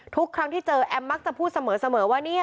ทุกครั้งที่เจอแอมมักจะพูดเสมอว่าเนี่ย